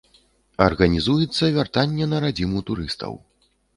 Арганізуецца вяртанне на радзіму турыстаў.